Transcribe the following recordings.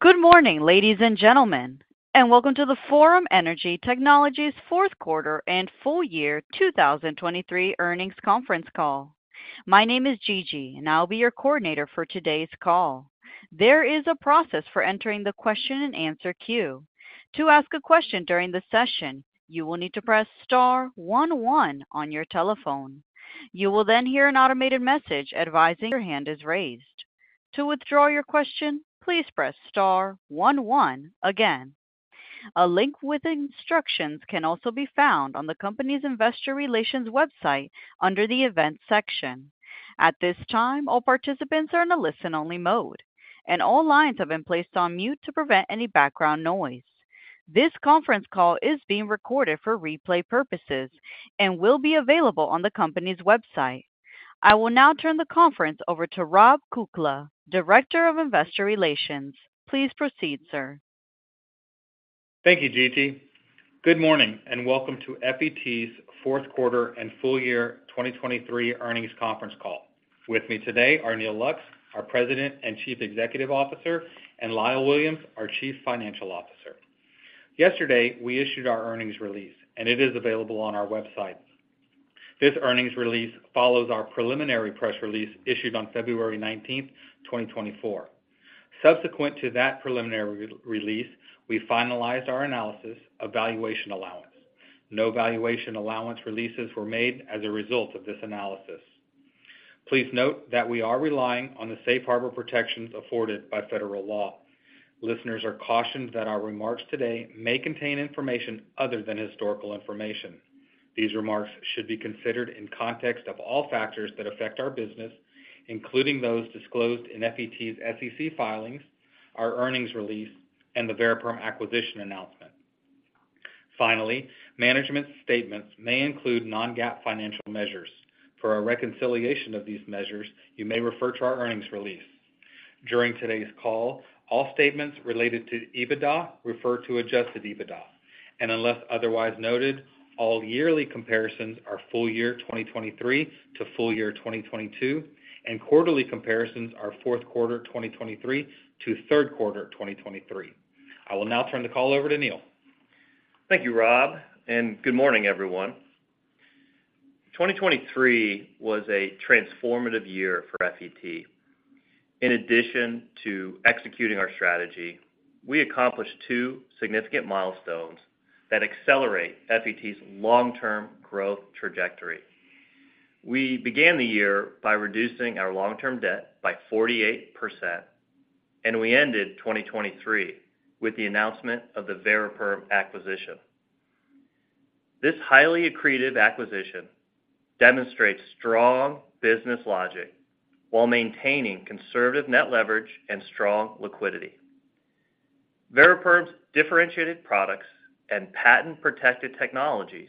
Good morning, ladies and gentlemen, and welcome to the Forum Energy Technologies fourth quarter and full year 2023 earnings conference call. My name is Gigi, and I'll be your coordinator for today's call. There is a process for entering the question-and-answer queue. To ask a question during the session, you will need to press star 11 on your telephone. You will then hear an automated message advising your hand is raised. To withdraw your question, please press star 11 again. A link with instructions can also be found on the company's investor relations website under the events section. At this time, all participants are in a listen-only mode, and all lines have been placed on mute to prevent any background noise. This conference call is being recorded for replay purposes and will be available on the company's website. I will now turn the conference over to Rob Kukla, Director of Investor Relations. Please proceed, sir. Thank you, Gigi. Good morning and welcome to FET's fourth quarter and full year 2023 earnings conference call. With me today are Neal Lux, our President and Chief Executive Officer, and Lyle Williams, our Chief Financial Officer. Yesterday, we issued our earnings release, and it is available on our website. This earnings release follows our preliminary press release issued on February 19, 2024. Subsequent to that preliminary release, we finalized our analysis of valuation allowance. No valuation allowance releases were made as a result of this analysis. Please note that we are relying on the safe harbor protections afforded by federal law. Listeners are cautioned that our remarks today may contain information other than historical information. These remarks should be considered in context of all factors that affect our business, including those disclosed in FET's SEC filings, our earnings release, and the Variperm acquisition announcement. Finally, management statements may include non-GAAP financial measures. For a reconciliation of these measures, you may refer to our earnings release. During today's call, all statements related to EBITDA refer to adjusted EBITDA, and unless otherwise noted, all yearly comparisons are full year 2023 to full year 2022, and quarterly comparisons are fourth quarter 2023 to third quarter 2023. I will now turn the call over to Neal. Thank you, Rob, and good morning, everyone. 2023 was a transformative year for FET. In addition to executing our strategy, we accomplished two significant milestones that accelerate FET's long-term growth trajectory. We began the year by reducing our long-term debt by 48%, and we ended 2023 with the announcement of the Variperm acquisition. This highly accretive acquisition demonstrates strong business logic while maintaining conservative net leverage and strong liquidity. Variperm's differentiated products and patent-protected technologies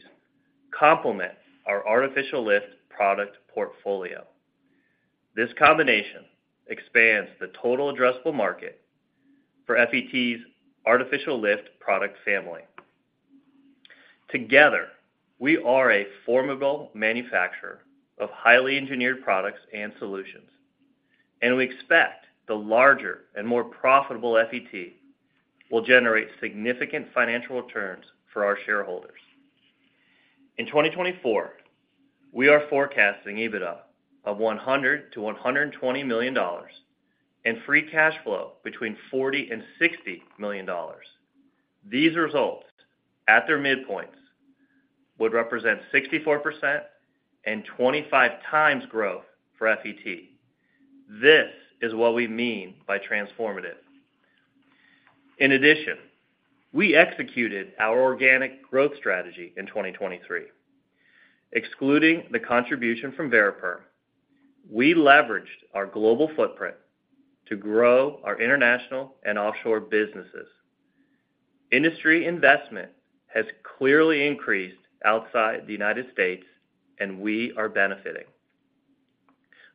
complement our Artificial Lift product portfolio. This combination expands the total addressable market for FET's Artificial Lift product family. Together, we are a formidable manufacturer of highly engineered products and solutions, and we expect the larger and more profitable FET will generate significant financial returns for our shareholders. In 2024, we are forecasting EBITDA of $100-$120 million and free cash flow between $40-$60 million. These results, at their midpoints, would represent 64% and 25x growth for FET. This is what we mean by transformative. In addition, we executed our organic growth strategy in 2023. Excluding the contribution from Variperm, we leveraged our global footprint to grow our international and offshore businesses. Industry investment has clearly increased outside the United States, and we are benefiting.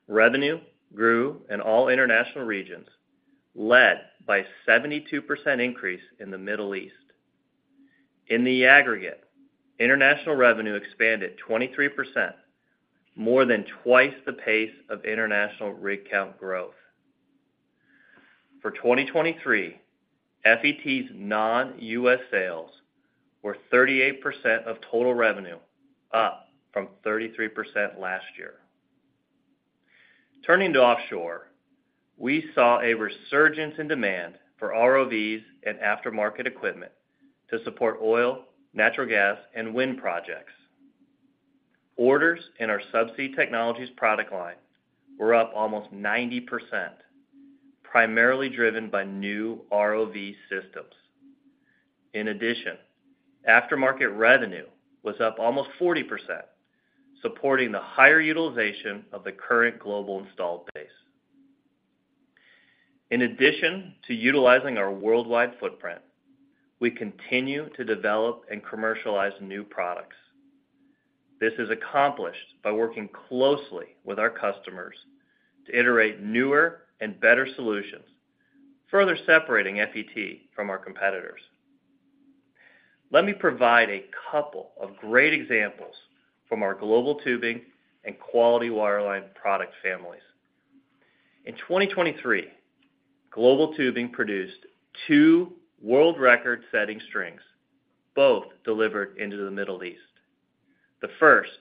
Revenue grew in all international regions, led by a 72% increase in the Middle East. In the aggregate, international revenue expanded 23%, more than twice the pace of international rig count growth. For 2023, FET's non-U.S. sales were 38% of total revenue, up from 33% last year. Turning to offshore, we saw a resurgence in demand for ROVs and aftermarket equipment to support oil, natural gas, and wind projects. Orders in our Subsea Technologies product line were up almost 90%, primarily driven by new ROV systems. In addition, aftermarket revenue was up almost 40%, supporting the higher utilization of the current global installed base. In addition to utilizing our worldwide footprint, we continue to develop and commercialize new products. This is accomplished by working closely with our customers to iterate newer and better solutions, further separating FET from our competitors. Let me provide a couple of great examples from our Global Tubing and quality wireline product families. In 2023, Global Tubing produced two world-record-setting strings, both delivered into the Middle East. The first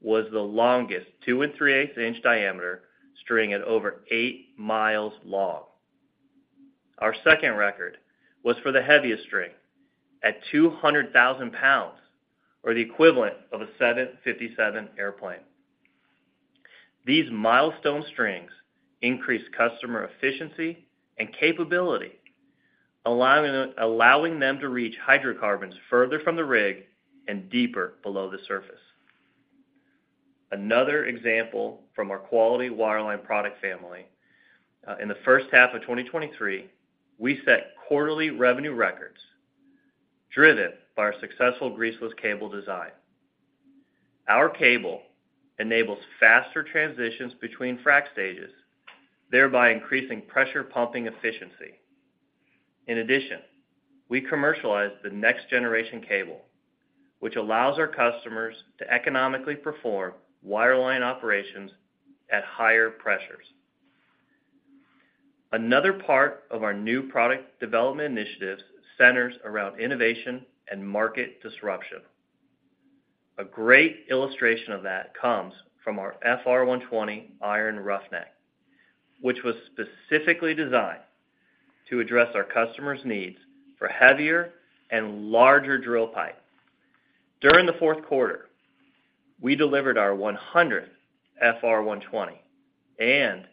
was the longest 2 3/8-inch diameter string at over 8 miles long. Our second record was for the heaviest string at 200,000 pounds, or the equivalent of a 757 airplane. These milestone strings increased customer efficiency and capability, allowing them to reach hydrocarbons further from the rig and deeper below the surface. Another example from our quality wireline product family: in the first half of 2023, we set quarterly revenue records, driven by our successful greaseless cable design. Our cable enables faster transitions between frac stages, thereby increasing pressure pumping efficiency. In addition, we commercialized the next-generation cable, which allows our customers to economically perform wireline operations at higher pressures. Another part of our new product development initiatives centers around innovation and market disruption. A great illustration of that comes from our FR-120 Iron Roughneck, which was specifically designed to address our customers' needs for heavier and larger drill pipes. During the fourth quarter, we delivered our 100th FR-120 and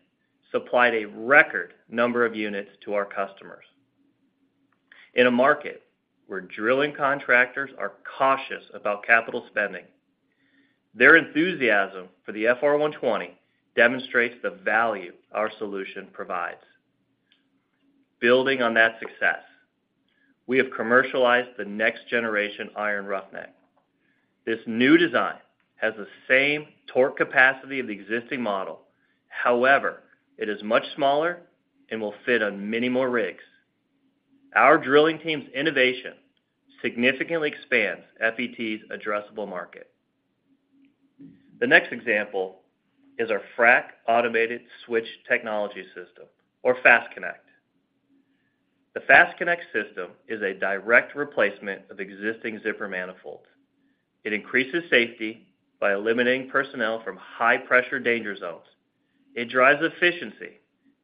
supplied a record number of units to our customers. In a market where drilling contractors are cautious about capital spending, their enthusiasm for the FR-120 demonstrates the value our solution provides. Building on that success, we have commercialized the next-generation Iron Roughneck. This new design has the same torque capacity of the existing model. However, it is much smaller and will fit on many more rigs. Our drilling team's innovation significantly expands FET's addressable market. The next example is our frac automated switch technology system, or FastConnect. The FastConnect system is a direct replacement of existing zipper manifolds. It increases safety by eliminating personnel from high-pressure danger zones. It drives efficiency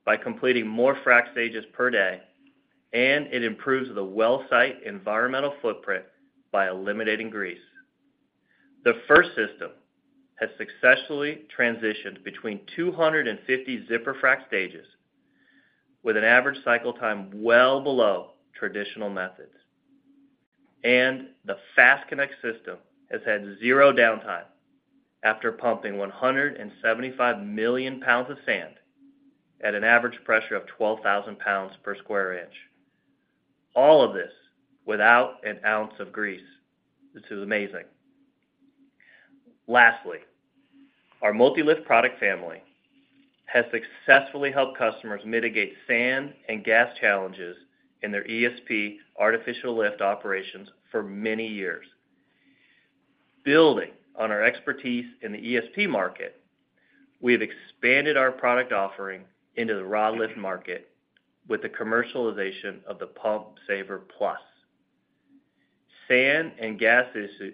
by completing more frac stages per day, and it improves the well-site environmental footprint by eliminating grease. The first system has successfully transitioned between 250 zipper frac stages, with an average cycle time well below traditional methods. The FastConnect system has had zero downtime after pumping 175 million pounds of sand at an average pressure of 12,000 pounds per square inch. All of this without an ounce of grease. This is amazing. Lastly, our Multi-Lift product family has successfully helped customers mitigate sand and gas challenges in their ESP artificial lift operations for many years. Building on our expertise in the ESP market, we have expanded our product offering into the Rod Lift market with the commercialization of the Pump Saver Plus. Sand and gas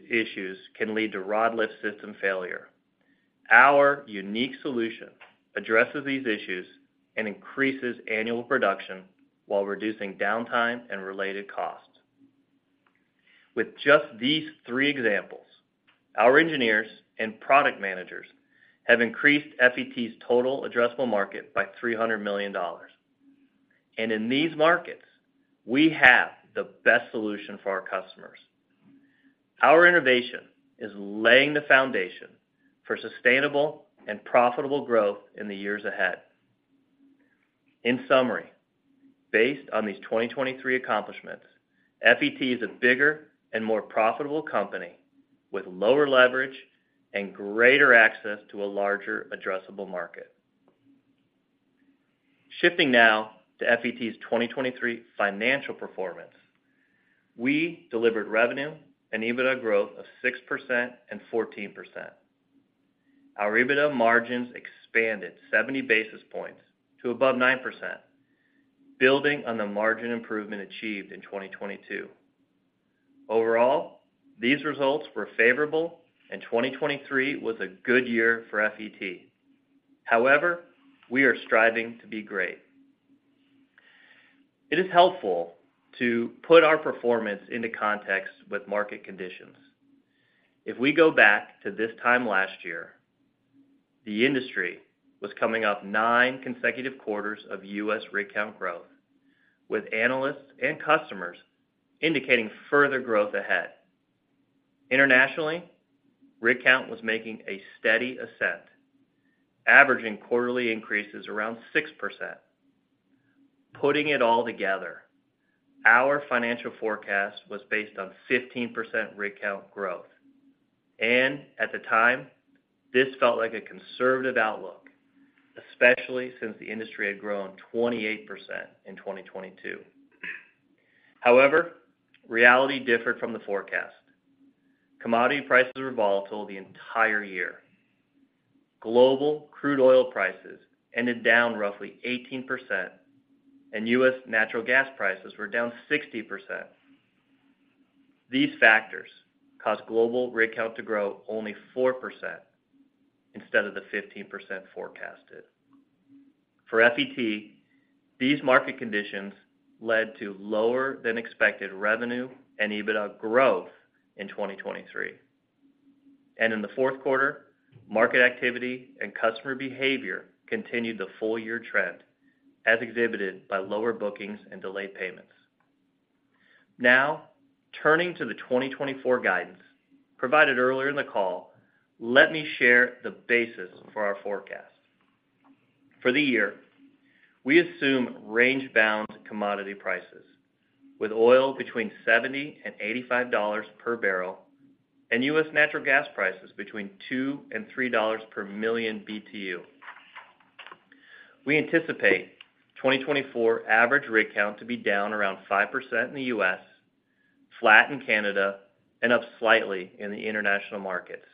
issues can lead to Rod Lift system failure. Our unique solution addresses these issues and increases annual production while reducing downtime and related costs. With just these three examples, our engineers and product managers have increased FET's total addressable market by $300 million. And in these markets, we have the best solution for our customers. Our innovation is laying the foundation for sustainable and profitable growth in the years ahead. In summary, based on these 2023 accomplishments, FET is a bigger and more profitable company with lower leverage and greater access to a larger addressable market. Shifting now to FET's 2023 financial performance, we delivered revenue and EBITDA growth of 6% and 14%. Our EBITDA margins expanded 70 basis points to above 9%, building on the margin improvement achieved in 2022. Overall, these results were favorable, and 2023 was a good year for FET. However, we are striving to be great. It is helpful to put our performance into context with market conditions. If we go back to this time last year, the industry was coming up nine consecutive quarters of U.S. rig count growth, with analysts and customers indicating further growth ahead. Internationally, rig count was making a steady ascent, averaging quarterly increases around 6%. Putting it all together, our financial forecast was based on 15% rig count growth. At the time, this felt like a conservative outlook, especially since the industry had grown 28% in 2022. However, reality differed from the forecast. Commodity prices were volatile the entire year. Global crude oil prices ended down roughly 18%, and U.S. natural gas prices were down 60%. These factors caused global rig count to grow only 4% instead of the 15% forecasted. For FET, these market conditions led to lower-than-expected revenue and EBITDA growth in 2023. In the fourth quarter, market activity and customer behavior continued the full-year trend, as exhibited by lower bookings and delayed payments. Now, turning to the 2024 guidance provided earlier in the call, let me share the basis for our forecast. For the year, we assume range-bound commodity prices, with oil between $70-$85 per barrel and U.S. natural gas prices between $2-$3 per million BTU. We anticipate 2024 average rig count to be down around 5% in the U.S., flat in Canada, and up slightly in the international markets.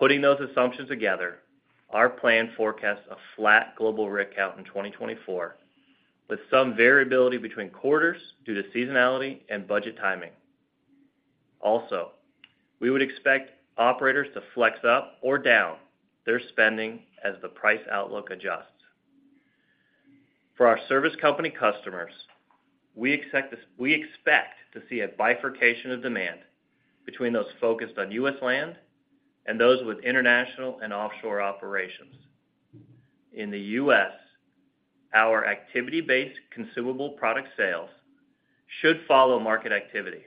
Putting those assumptions together, our plan forecasts a flat global rig count in 2024, with some variability between quarters due to seasonality and budget timing. Also, we would expect operators to flex up or down their spending as the price outlook adjusts. For our service company customers, we expect to see a bifurcation of demand between those focused on U.S. land and those with international and offshore operations. In the U.S., our activity-based consumable product sales should follow market activity.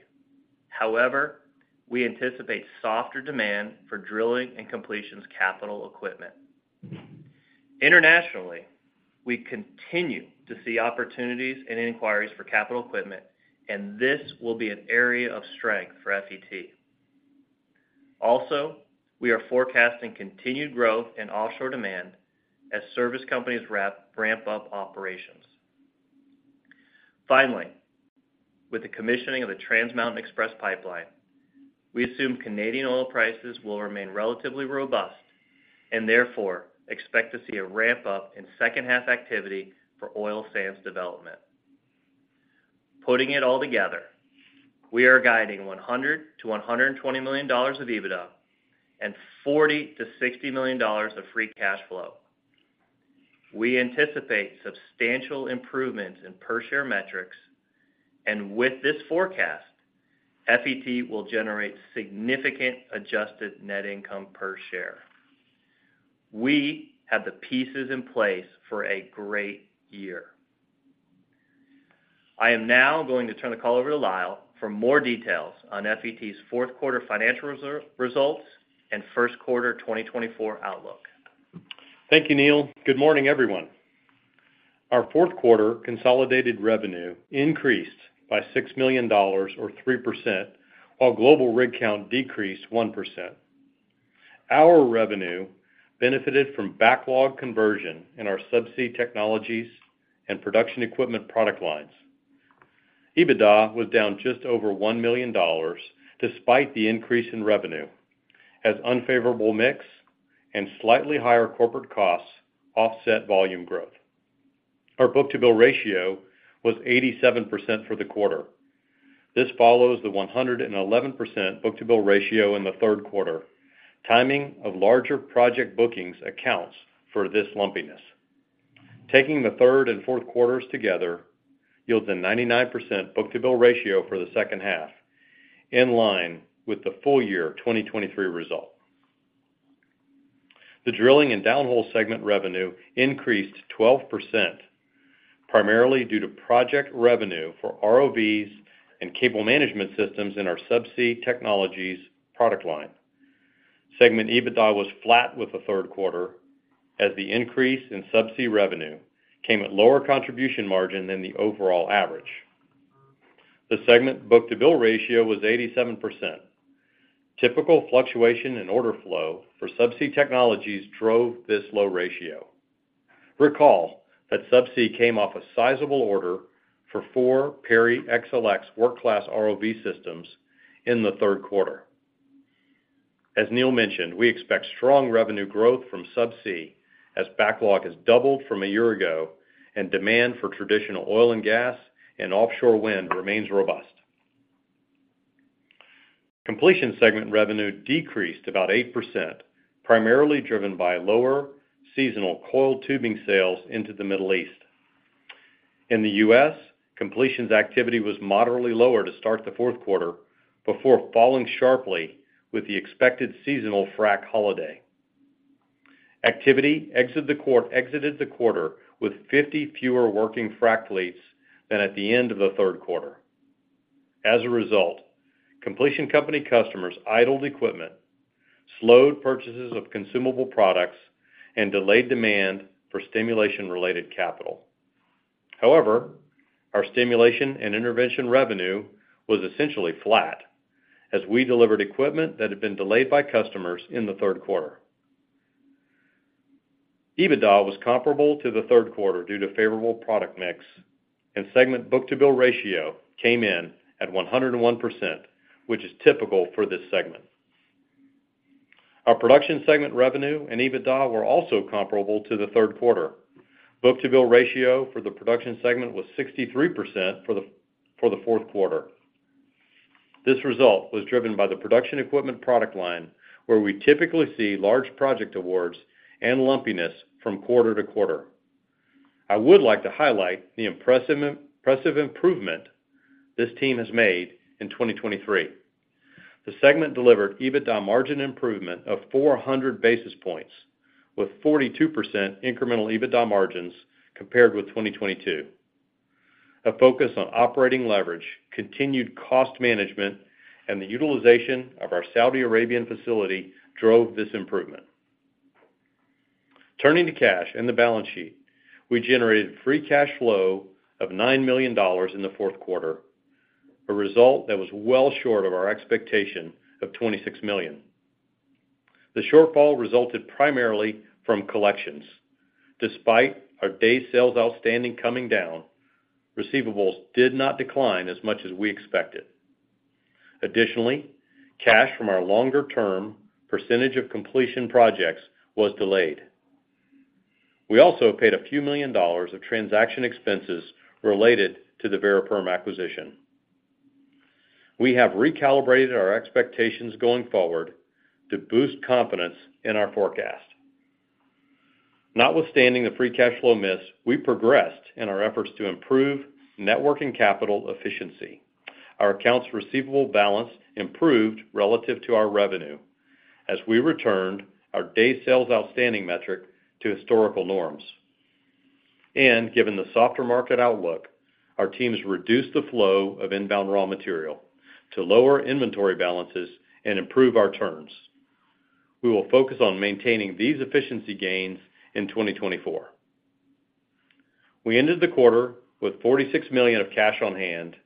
However, we anticipate softer demand for drilling and completions capital equipment. Internationally, we continue to see opportunities and inquiries for capital equipment, and this will be an area of strength for FET. Also, we are forecasting continued growth in offshore demand as service companies ramp up operations. Finally, with the commissioning of the Transmountain Express Pipeline, we assume Canadian oil prices will remain relatively robust and, therefore, expect to see a ramp up in second-half activity for oil sands development. Putting it all together, we are guiding $100-$120 million of EBITDA and $40-$60 million of free cash flow. We anticipate substantial improvements in per-share metrics, and with this forecast, FET will generate significant adjusted net income per share. We have the pieces in place for a great year. I am now going to turn the call over to Lyle for more details on FET's fourth quarter financial results and first quarter 2024 outlook. Thank you, Neal. Good morning, everyone. Our fourth quarter consolidated revenue increased by $6 million, or 3%, while global rig count decreased 1%. Our revenue benefited from backlog conversion in our Subsea Technologies and production equipment product lines. EBITDA was down just over $1 million despite the increase in revenue, as unfavorable mix and slightly higher corporate costs offset volume growth. Our book-to-bill ratio was 87% for the quarter. This follows the 111% book-to-bill ratio in the third quarter. Timing of larger project bookings accounts for this lumpiness. Taking the third and fourth quarters together, yields a 99% book-to-bill ratio for the second half, in line with the full-year 2023 result. The drilling and downhole segment revenue increased 12%, primarily due to project revenue for ROVs and cable management systems in our Subsea Technologies product line. Segment EBITDA was flat with the third quarter, as the increase in Subsea revenue came at lower contribution margin than the overall average. The segment book-to-bill ratio was 87%. Typical fluctuation in order flow for Subsea Technologies drove this low ratio. Recall that Subsea came off a sizable order for 4 Perry XLX work-class ROV systems in the third quarter. As Neal mentioned, we expect strong revenue growth from Subsea as backlog has doubled from a year ago and demand for traditional oil and gas and offshore wind remains robust. Completion segment revenue decreased about 8%, primarily driven by lower seasonal coiled tubing sales into the Middle East. In the U.S., completions activity was moderately lower to start the fourth quarter before falling sharply with the expected seasonal frac holiday. Activity exited the quarter with 50 fewer working frac fleets than at the end of the third quarter. As a result, completion company customers idled equipment, slowed purchases of consumable products, and delayed demand for stimulation-related capital. However, our stimulation and intervention revenue was essentially flat, as we delivered equipment that had been delayed by customers in the third quarter. EBITDA was comparable to the third quarter due to favorable product mix, and segment Book-to-Bill Ratio came in at 101%, which is typical for this segment. Our production segment revenue and EBITDA were also comparable to the third quarter. Book-to-Bill Ratio for the production segment was 63% for the fourth quarter. This result was driven by the production equipment product line, where we typically see large project awards and lumpiness from quarter to quarter. I would like to highlight the impressive improvement this team has made in 2023. The segment delivered EBITDA margin improvement of 400 basis points, with 42% incremental EBITDA margins compared with 2022. A focus on operating leverage, continued cost management, and the utilization of our Saudi Arabian facility drove this improvement. Turning to cash and the balance sheet, we generated free cash flow of $9 million in the fourth quarter, a result that was well short of our expectation of $26 million. The shortfall resulted primarily from collections. Despite our day sales outstanding coming down, receivables did not decline as much as we expected. Additionally, cash from our longer-term percentage of completion projects was delayed. We also paid a few million dollars of transaction expenses related to the Variperm acquisition. We have recalibrated our expectations going forward to boost confidence in our forecast. Notwithstanding the free cash flow miss, we progressed in our efforts to improve working capital efficiency. Our accounts receivable balance improved relative to our revenue, as we returned our day sales outstanding metric to historical norms. Given the softer market outlook, our teams reduced the flow of inbound raw material to lower inventory balances and improve our turns. We will focus on maintaining these efficiency gains in 2024. We ended the quarter with $46 million of cash on hand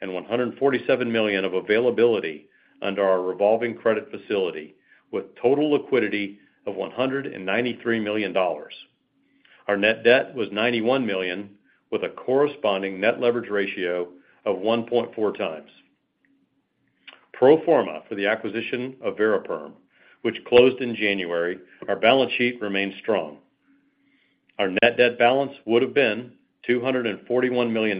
and $147 million of availability under our revolving credit facility, with total liquidity of $193 million. Our net debt was $91 million, with a corresponding net leverage ratio of 1.4 times. Pro forma for the acquisition of Variperm, which closed in January, our balance sheet remains strong. Our net debt balance would have been $241 million,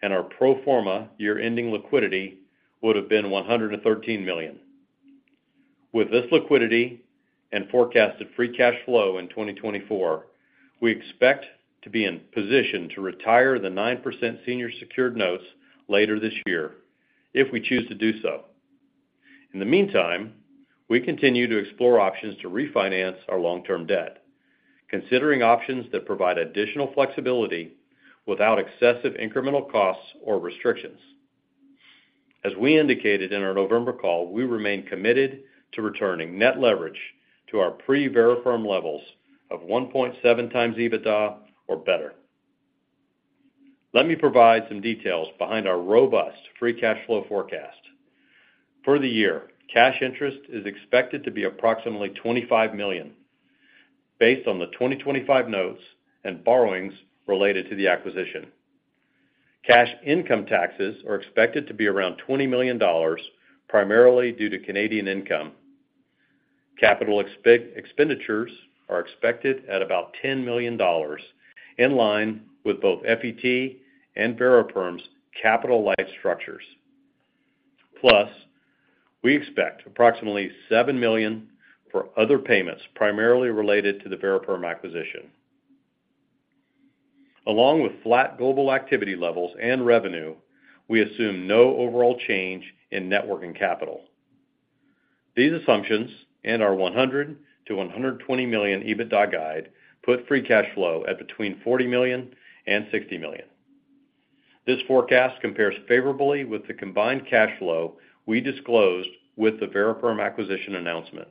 and our pro forma year-ending liquidity would have been $113 million. With this liquidity and forecasted free cash flow in 2024, we expect to be in position to retire the 9% senior secured notes later this year, if we choose to do so. In the meantime, we continue to explore options to refinance our long-term debt, considering options that provide additional flexibility without excessive incremental costs or restrictions. As we indicated in our November call, we remain committed to returning net leverage to our pre-Variperm levels of 1.7x EBITDA or better. Let me provide some details behind our robust free cash flow forecast. For the year, cash interest is expected to be approximately $25 million, based on the 2025 notes and borrowings related to the acquisition. Cash income taxes are expected to be around $20 million, primarily due to Canadian income. Capital expenditures are expected at about $10 million, in line with both FET and Variperm's capital-light structures. Plus, we expect approximately $7 million for other payments, primarily related to the Variperm acquisition. Along with flat global activity levels and revenue, we assume no overall change in net working capital. These assumptions and our $100 million-$120 million EBITDA guide put free cash flow at between $40 million and $60 million. This forecast compares favorably with the combined cash flow we disclosed with the Variperm acquisition announcement.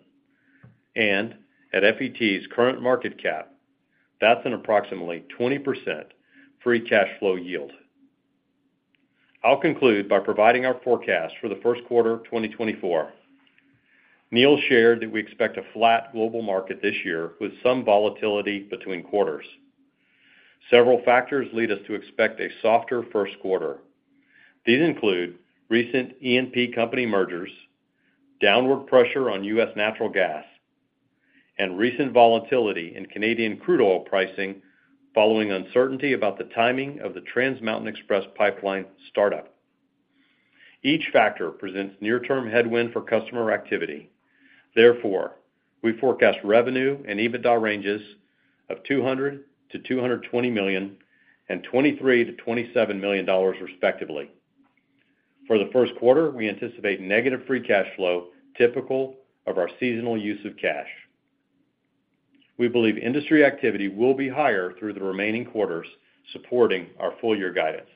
At FET's current market cap, that's an approximately 20% free cash flow yield. I'll conclude by providing our forecast for the first quarter 2024. Neal shared that we expect a flat global market this year with some volatility between quarters. Several factors lead us to expect a softer first quarter. These include recent E&P company mergers, downward pressure on U.S. natural gas, and recent volatility in Canadian crude oil pricing following uncertainty about the timing of the Transmountain Express Pipeline startup. Each factor presents near-term headwind for customer activity. Therefore, we forecast revenue and EBITDA ranges of $200 million-$220 million and $23 million-$27 million, respectively. For the first quarter, we anticipate negative free cash flow, typical of our seasonal use of cash. We believe industry activity will be higher through the remaining quarters, supporting our full-year guidance.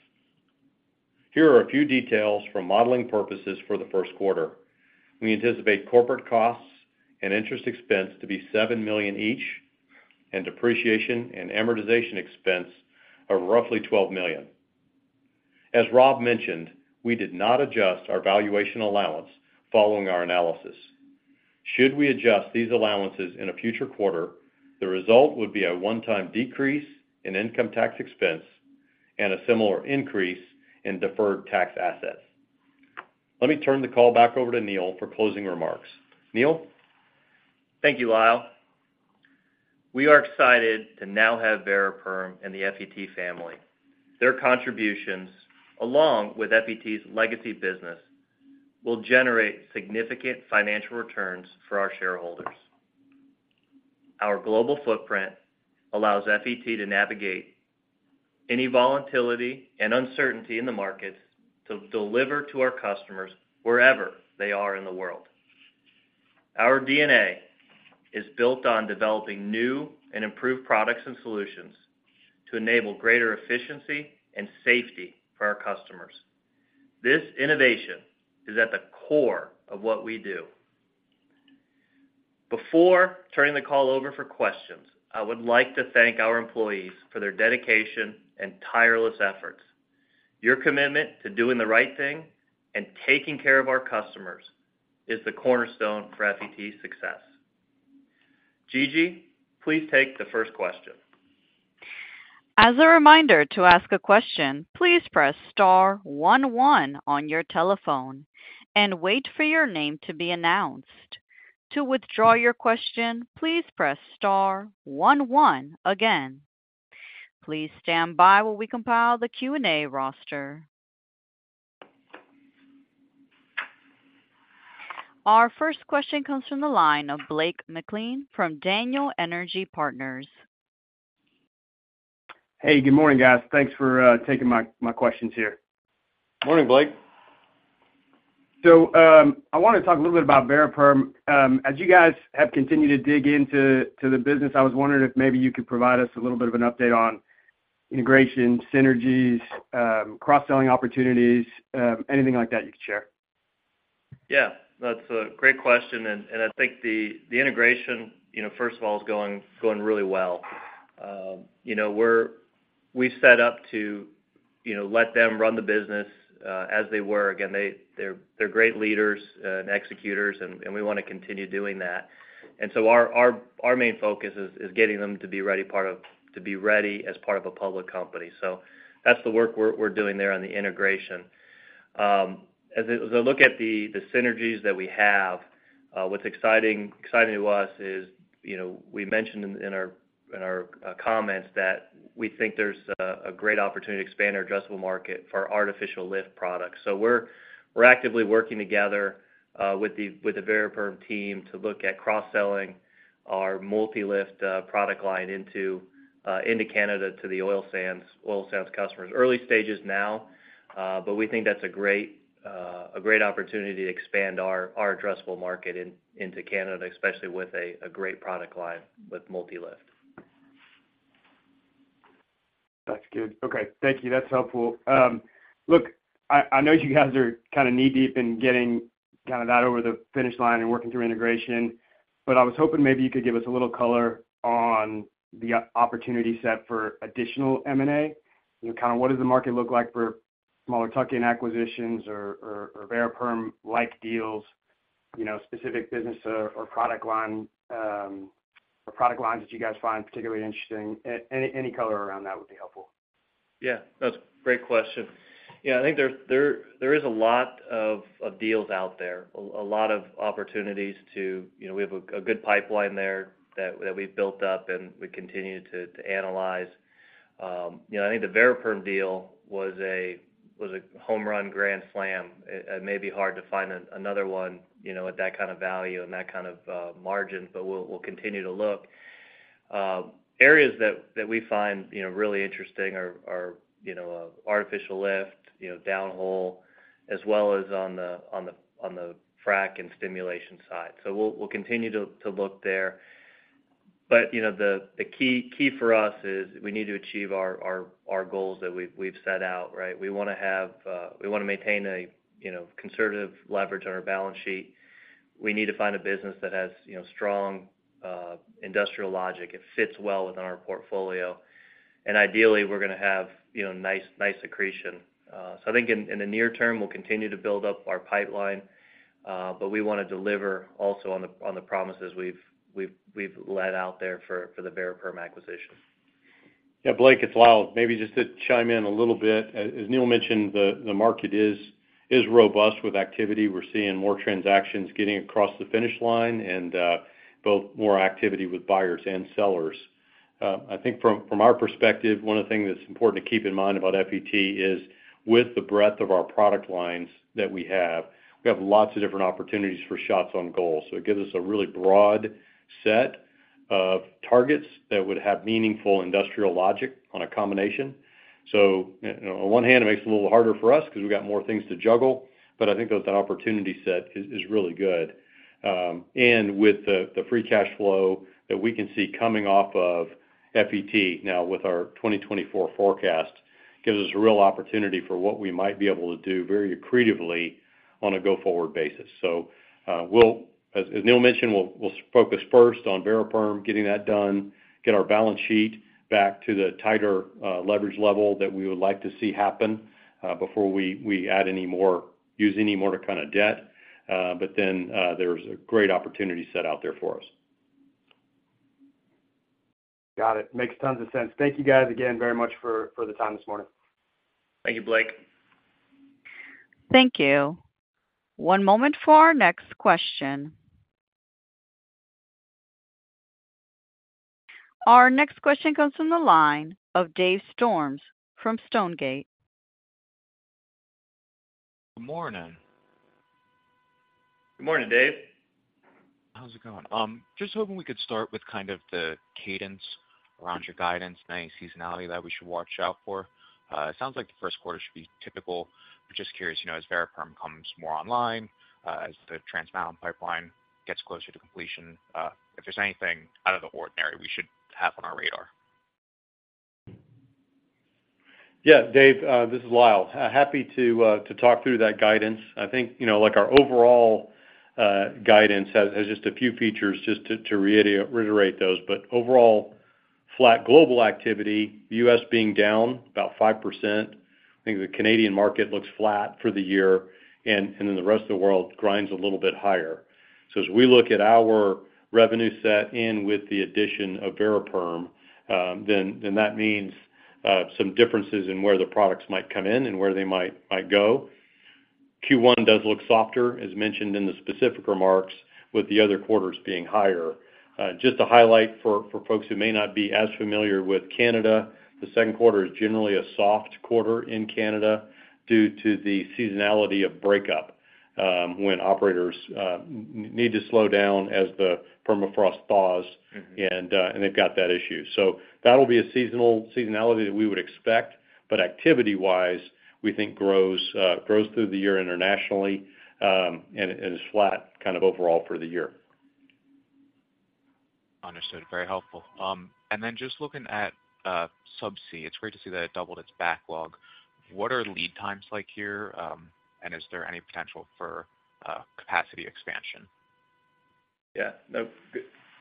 Here are a few details for modeling purposes for the first quarter. We anticipate corporate costs and interest expense to be $7 million each, and depreciation and amortization expense of roughly $12 million. As Rob mentioned, we did not adjust our Valuation Allowance following our analysis. Should we adjust these allowances in a future quarter, the result would be a one-time decrease in income tax expense and a similar increase in deferred tax assets. Let me turn the call back over to Neal for closing remarks. Neal? Thank you, Lyle. We are excited to now have Variperm and the FET family. Their contributions, along with FET's legacy business, will generate significant financial returns for our shareholders. Our global footprint allows FET to navigate any volatility and uncertainty in the markets to deliver to our customers wherever they are in the world. Our DNA is built on developing new and improved products and solutions to enable greater efficiency and safety for our customers. This innovation is at the core of what we do. Before turning the call over for questions, I would like to thank our employees for their dedication and tireless efforts. Your commitment to doing the right thing and taking care of our customers is the cornerstone for FET's success. Gigi, please take the first question. As a reminder to ask a question, please press star 11 on your telephone and wait for your name to be announced. To withdraw your question, please press star 11 again. Please stand by while we compile the Q&A roster. Our first question comes from the line of Blake McLean from Daniel Energy Partners. Hey, good morning, guys. Thanks for taking my questions here. Morning, Blake. So I want to talk a little bit about Variperm. As you guys have continued to dig into the business, I was wondering if maybe you could provide us a little bit of an update on integration, synergies, cross-selling opportunities, anything like that you could share. Yeah, that's a great question. And I think the integration, first of all, is going really well. We've set up to let them run the business as they were. Again, they're great leaders and executors, and we want to continue doing that. And so our main focus is getting them to be ready as part of a public company. So that's the work we're doing there on the integration. As I look at the synergies that we have, what's exciting to us is we mentioned in our comments that we think there's a great opportunity to expand our addressable market for artificial lift products. So we're actively working together with the Variperm team to look at cross-selling our Multi-Lift product line into Canada to the oil sands customers. Early stages now, but we think that's a great opportunity to expand our addressable market into Canada, especially with a great product line with Multi-Lift. That's good. Okay, thank you. That's helpful. Look, I know you guys are kind of knee-deep in getting kind of that over the finish line and working through integration, but I was hoping maybe you could give us a little color on the opportunity set for additional M&A. Kind of what does the market look like for smaller tuck-in acquisitions or Variperm-like deals, specific business or product line or product lines that you guys find particularly interesting? Any color around that would be helpful. Yeah, that's a great question. Yeah, I think there is a lot of deals out there, a lot of opportunities too we have a good pipeline there that we've built up, and we continue to analyze. I think the Variperm deal was a home run grand slam. It may be hard to find another one at that kind of value and that kind of margin, but we'll continue to look. Areas that we find really interesting are artificial lift, downhole, as well as on the frac and stimulation side. So we'll continue to look there. But the key for us is we need to achieve our goals that we've set out, right? We want to have we want to maintain a conservative leverage on our balance sheet. We need to find a business that has strong industrial logic. It fits well within our portfolio. Ideally, we're going to have nice accretion. So I think in the near term, we'll continue to build up our pipeline, but we want to deliver also on the promises we've led out there for the Variperm acquisition. Yeah, Blake, it's Lyle. Maybe just to chime in a little bit. As Neal mentioned, the market is robust with activity. We're seeing more transactions getting across the finish line and both more activity with buyers and sellers. I think from our perspective, one of the things that's important to keep in mind about FET is with the breadth of our product lines that we have, we have lots of different opportunities for shots on goal. So it gives us a really broad set of targets that would have meaningful industrial logic on a combination. So on one hand, it makes it a little harder for us because we've got more things to juggle, but I think that opportunity set is really good. With the free cash flow that we can see coming off of FET now with our 2024 forecast, it gives us a real opportunity for what we might be able to do very accretively on a go-forward basis. So as Neal mentioned, we'll focus first on Variperm, getting that done, get our balance sheet back to the tighter leverage level that we would like to see happen before we use any more to kind of debt. But then there's a great opportunity set out there for us. Got it. Makes tons of sense. Thank you guys again very much for the time this morning. Thank you, Blake. Thank you. One moment for our next question. Our next question comes from the line of Dave Storms from Stonegate. Good morning. Good morning, Dave. How's it going? Just hoping we could start with kind of the cadence around your guidance and any seasonality that we should watch out for. It sounds like the first quarter should be typical, but just curious, as Variperm comes more online, as the Transmountain pipeline gets closer to completion, if there's anything out of the ordinary we should have on our radar? Yeah, Dave, this is Lyle. Happy to talk through that guidance. I think our overall guidance has just a few features, just to reiterate those. But overall, flat global activity, the U.S. being down about 5%. I think the Canadian market looks flat for the year, and then the rest of the world grinds a little bit higher. So as we look at our revenue set in with the addition of Variperm, then that means some differences in where the products might come in and where they might go. Q1 does look softer, as mentioned in the specific remarks, with the other quarters being higher. Just to highlight for folks who may not be as familiar with Canada, the second quarter is generally a soft quarter in Canada due to the seasonality of breakup when operators need to slow down as the permafrost thaws, and they've got that issue. So that'll be a seasonality that we would expect, but activity-wise, we think grows through the year internationally and is flat kind of overall for the year. Understood. Very helpful. And then just looking at Subsea, it's great to see that it doubled its backlog. What are lead times like here, and is there any potential for capacity expansion? Yeah, no,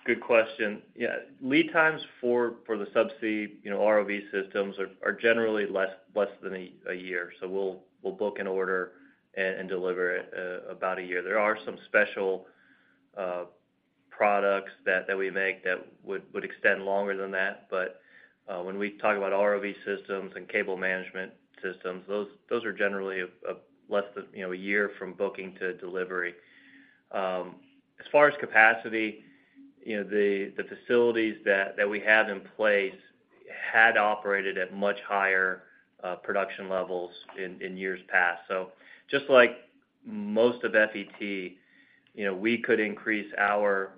good question. Yeah, lead times for the subsea ROV systems are generally less than a year. So we'll book an order and deliver it about a year. There are some special products that we make that would extend longer than that. But when we talk about ROV systems and cable management systems, those are generally less than a year from booking to delivery. As far as capacity, the facilities that we have in place had operated at much higher production levels in years past. So just like most of FET, we could increase our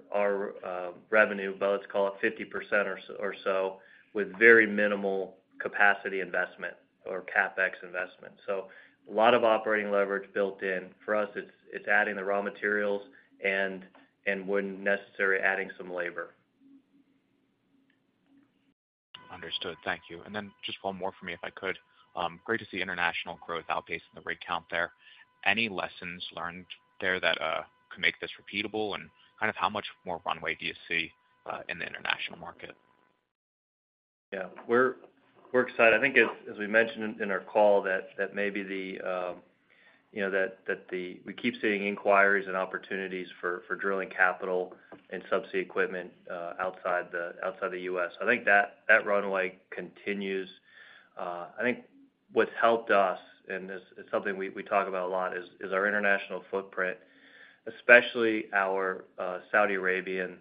revenue, but let's call it 50% or so, with very minimal capacity investment or CapEx investment. So a lot of operating leverage built in. For us, it's adding the raw materials and, when necessary, adding some labor. Understood. Thank you. And then just one more for me, if I could. Great to see international growth outpacing the rig count there. Any lessons learned there that could make this repeatable, and kind of how much more runway do you see in the international market? Yeah, we're excited. I think, as we mentioned in our call, that maybe we keep seeing inquiries and opportunities for drilling capital and subsea equipment outside the U.S. I think that runway continues. I think what's helped us, and it's something we talk about a lot, is our international footprint, especially our Saudi Arabian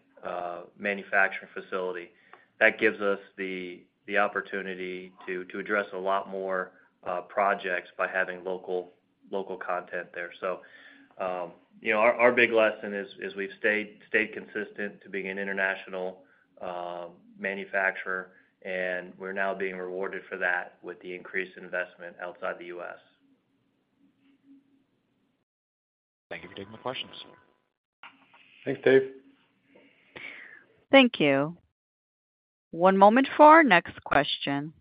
manufacturing facility. That gives us the opportunity to address a lot more projects by having local content there. So our big lesson is we've stayed consistent to being an international manufacturer, and we're now being rewarded for that with the increased investment outside the U.S. Thank you for taking my questions. Thanks, Dave. Thank you. One moment for our next question.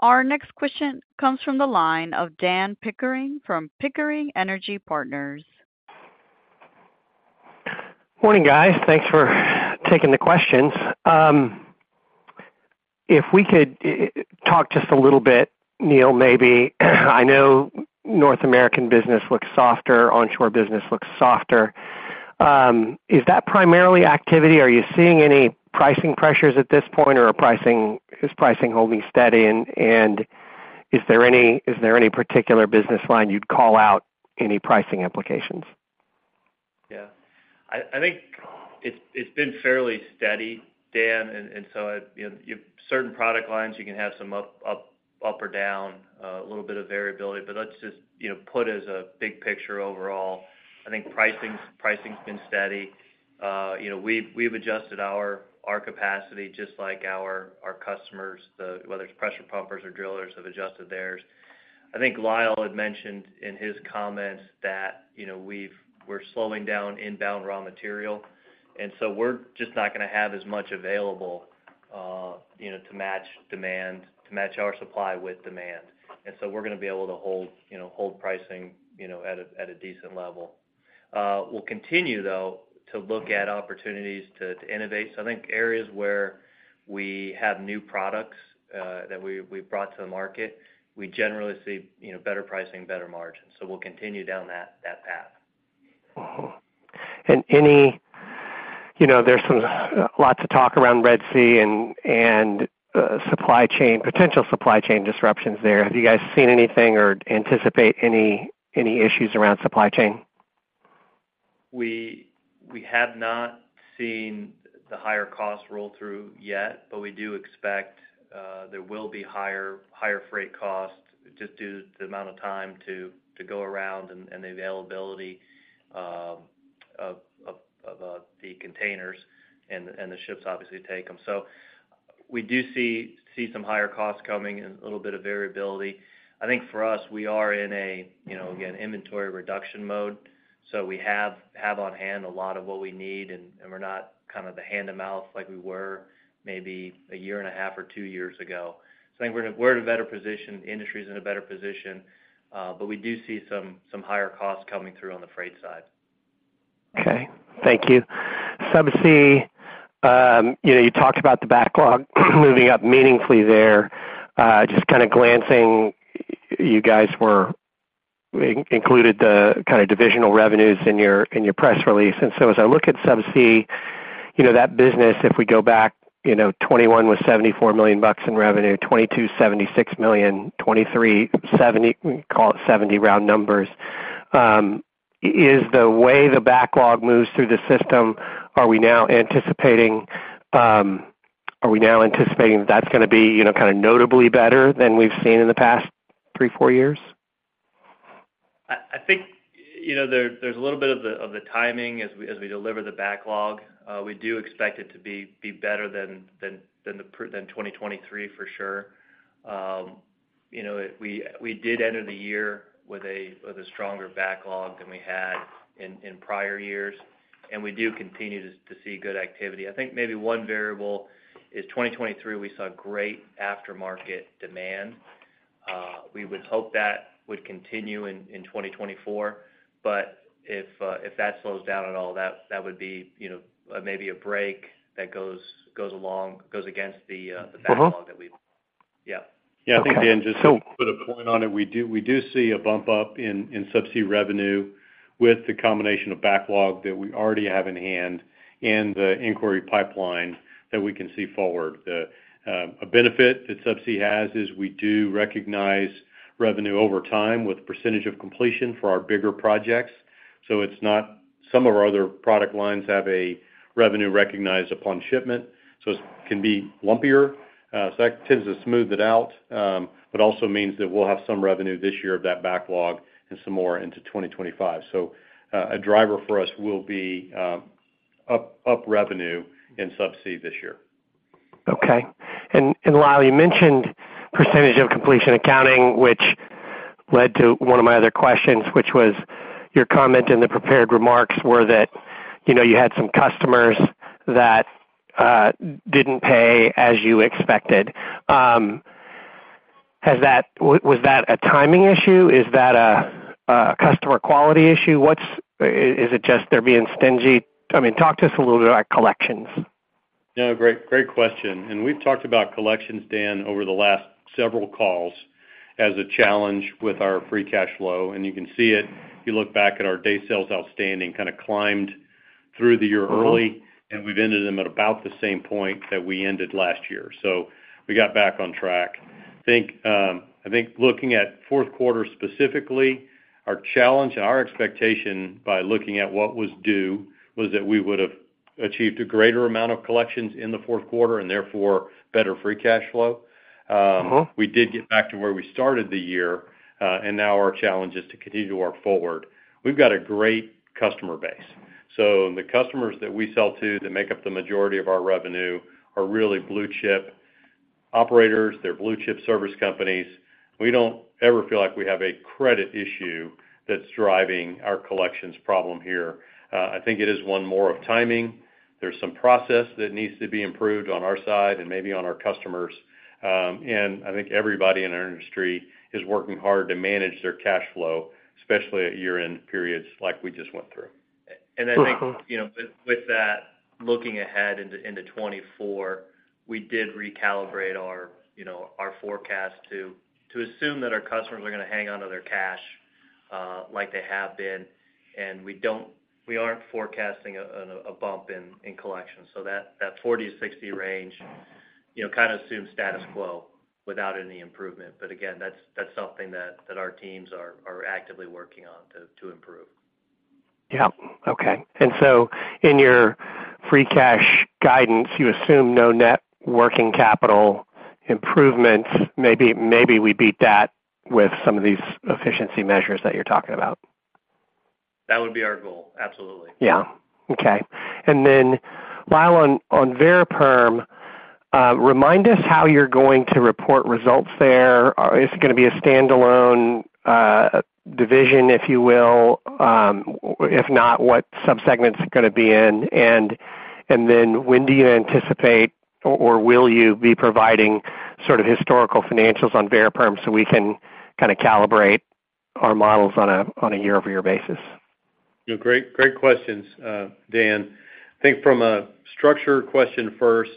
Our next question comes from the line of Dan Pickering from Pickering Energy Partners. Morning, guys. Thanks for taking the questions. If we could talk just a little bit, Neal, maybe. I know North American business looks softer, onshore business looks softer. Is that primarily activity? Are you seeing any pricing pressures at this point, or is pricing holding steady? And is there any particular business line you'd call out any pricing implications? Yeah, I think it's been fairly steady, Dan. And so certain product lines, you can have some up or down, a little bit of variability. But let's just put as a big picture overall, I think pricing's been steady. We've adjusted our capacity just like our customers, whether it's pressure pumpers or drillers, have adjusted theirs. I think Lyle had mentioned in his comments that we're slowing down inbound raw material. And so we're just not going to have as much available to match demand, to match our supply with demand. And so we're going to be able to hold pricing at a decent level. We'll continue, though, to look at opportunities to innovate. So I think areas where we have new products that we've brought to the market, we generally see better pricing, better margins. So we'll continue down that path. There's lots of talk around Red Sea and potential supply chain disruptions there. Have you guys seen anything or anticipate any issues around supply chain? We have not seen the higher cost roll through yet, but we do expect there will be higher freight costs just due to the amount of time to go around and the availability of the containers. The ships, obviously, take them. We do see some higher costs coming and a little bit of variability. I think for us, we are in, again, inventory reduction mode. We have on hand a lot of what we need, and we're not kind of the hand-to-mouth like we were maybe a year and a half or two years ago. I think we're in a better position. The industry's in a better position, but we do see some higher costs coming through on the freight side. Okay. Thank you. Subsea, you talked about the backlog moving up meaningfully there. Just kind of glancing, you guys included the kind of divisional revenues in your press release. And so as I look at Subsea, that business, if we go back, 2021 was $74 million in revenue, 2022, $76 million, 2023, call it $70 million round numbers. Is the way the backlog moves through the system, are we now anticipating are we now anticipating that that's going to be kind of notably better than we've seen in the past three, four years? I think there's a little bit of the timing as we deliver the backlog. We do expect it to be better than 2023, for sure. We did enter the year with a stronger backlog than we had in prior years, and we do continue to see good activity. I think maybe one variable is 2023, we saw great aftermarket demand. We would hope that would continue in 2024. If that slows down at all, that would be maybe a break that goes against the backlog that we've yeah. Yeah, I think Dan just put a point on it. We do see a bump up in Subsea revenue with the combination of backlog that we already have in hand and the inquiry pipeline that we can see forward. A benefit that Subsea has is we do recognize revenue over time with Percentage of Completion for our bigger projects. So some of our other product lines have a revenue recognized upon shipment, so it can be lumpier. So that tends to smooth it out, but also means that we'll have some revenue this year of that backlog and some more into 2025. So a driver for us will be up revenue in Subsea this year. Okay. And Lyle, you mentioned Percentage of Completion accounting, which led to one of my other questions, which was your comment in the prepared remarks were that you had some customers that didn't pay as you expected. Was that a timing issue? Is that a customer quality issue? Is it just they're being stingy? I mean, talk to us a little bit about collections. No, great question. We've talked about collections, Dan, over the last several calls as a challenge with our free cash flow. You can see it. If you look back at our Day Sales Outstanding, kind of climbed through the year early, and we've ended them at about the same point that we ended last year. We got back on track. I think looking at fourth quarter specifically, our challenge and our expectation by looking at what was due was that we would have achieved a greater amount of collections in the fourth quarter and therefore better free cash flow. We did get back to where we started the year, and now our challenge is to continue to work forward. We've got a great customer base. The customers that we sell to that make up the majority of our revenue are really blue chip operators. They're blue chip service companies. We don't ever feel like we have a credit issue that's driving our collections problem here. I think it is one more of timing. There's some process that needs to be improved on our side and maybe on our customers. I think everybody in our industry is working hard to manage their cash flow, especially at year-end periods like we just went through. I think with that, looking ahead into 2024, we did recalibrate our forecast to assume that our customers are going to hang on to their cash like they have been, and we aren't forecasting a bump in collections. That 40-60 range kind of assumes status quo without any improvement. Again, that's something that our teams are actively working on to improve. Yeah. Okay. And so in your free cash guidance, you assume no net working capital improvements. Maybe we beat that with some of these efficiency measures that you're talking about. That would be our goal. Absolutely. Yeah. Okay. And then, Lyle, on Variperm, remind us how you're going to report results there. Is it going to be a standalone division, if you will? If not, what subsegments is it going to be in? And then when do you anticipate or will you be providing sort of historical financials on Variperm so we can kind of calibrate our models on a year-over-year basis? No, great questions, Dan. I think from a structure question first,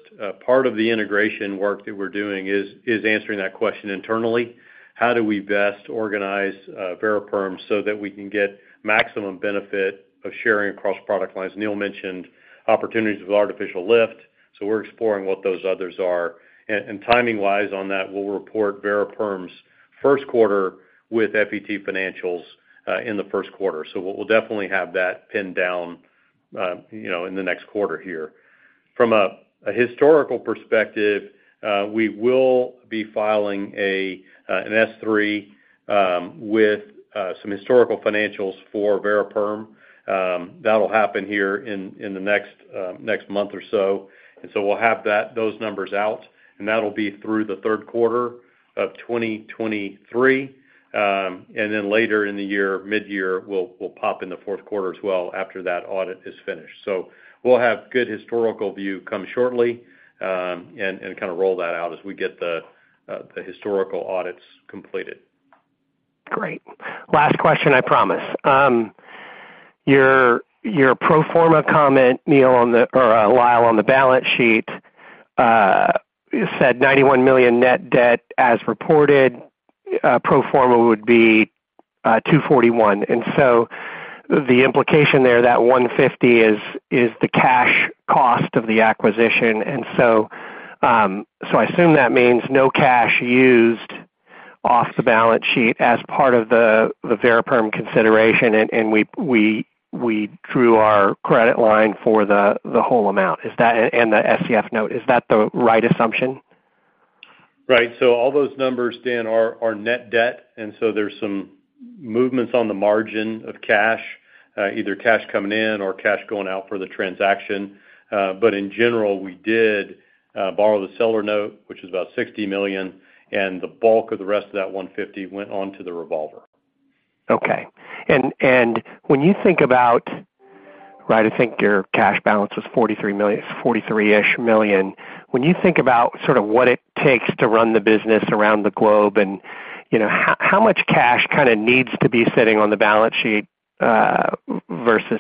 part of the integration work that we're doing is answering that question internally. How do we best organize Variperm so that we can get maximum benefit of sharing across product lines? Neal mentioned opportunities with artificial lift. So we're exploring what those others are. And timing-wise on that, we'll report Variperm's first quarter with FET financials in the first quarter. So we'll definitely have that pinned down in the next quarter here. From a historical perspective, we will be filing an S3 with some historical financials for Variperm. That'll happen here in the next month or so. And so we'll have those numbers out, and that'll be through the third quarter of 2023. And then later in the year, mid-year, we'll pop in the fourth quarter as well after that audit is finished. We'll have good historical view come shortly and kind of roll that out as we get the historical audits completed. Great. Last question, I promise. Your pro forma comment, Neal or Lyle, on the balance sheet said $91 million net debt as reported. Pro forma would be $241 million. And so the implication there, that $150 million is the cash cost of the acquisition. And so I assume that means no cash used off the balance sheet as part of the Variperm consideration, and we drew our credit line for the whole amount. And the SCF note, is that the right assumption? Right. So all those numbers, Dan, are net debt. And so there's some movements on the margin of cash, either cash coming in or cash going out for the transaction. But in general, we did borrow the seller note, which is about $60 million, and the bulk of the rest of that $150 million went onto the revolver. Okay. And when you think about right, I think your cash balance was $43-ish million. When you think about sort of what it takes to run the business around the globe, and how much cash kind of needs to be sitting on the balance sheet versus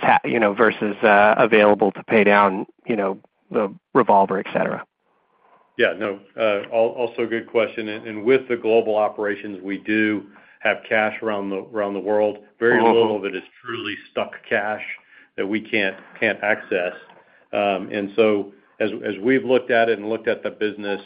available to pay down the revolver, etc.? Yeah. No, also good question. With the global operations, we do have cash around the world. Very little of it is truly stuck cash that we can't access. So as we've looked at it and looked at the business,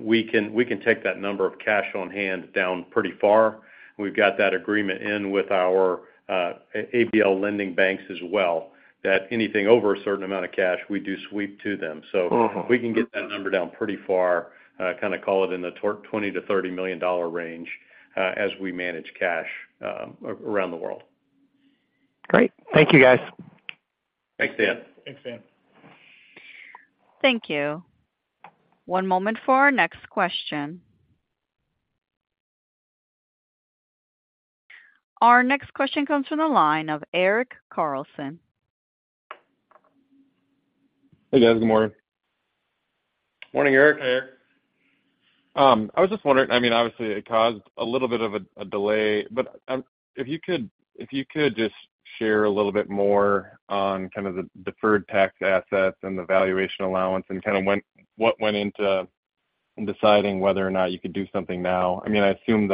we can take that number of cash on hand down pretty far. We've got that agreement in with our ABL lending banks as well that anything over a certain amount of cash, we do sweep to them. So we can get that number down pretty far, kind of call it in the $20 million-$30 million range as we manage cash around the world. Great. Thank you, guys. Thanks, Dan. Thanks, Dan. Thank you. One moment for our next question. Our next question comes from the line of Eric Carlson. Hey, guys. Good morning. Morning, Eric. Hi, Eric. I was just wondering, I mean, obviously, it caused a little bit of a delay. But if you could just share a little bit more on kind of the deferred tax assets and the valuation allowance and kind of what went into deciding whether or not you could do something now. I mean, I assume